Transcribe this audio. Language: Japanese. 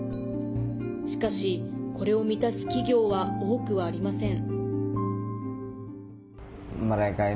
しかし、これを満たす企業は多くはありません。